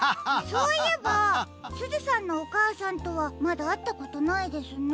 そういえばすずさんのおかあさんとはまだあったことないですね。